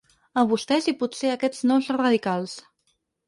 A vostès i potser a aquests nous radicals.